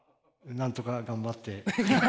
なんとか頑張って。